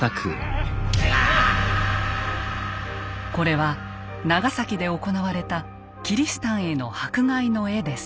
これは長崎で行われたキリシタンへの迫害の絵です。